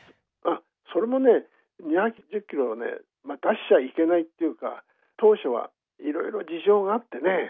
それもね２１０キロをね出しちゃいけないというか当初はいろいろ事情があってね